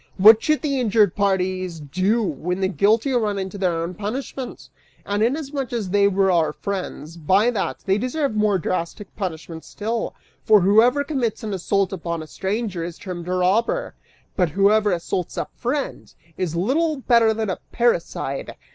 What should the injured parties do when the guilty run into their own punishment? And inasmuch as they were our friends, by that, they deserve more drastic punishment still, for whoever commits an assault upon a stranger, is termed a robber; but whoever assaults a friend, is little better than a parricide!"